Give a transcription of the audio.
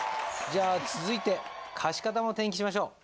じゃあ続いて貸方も転記しましょう。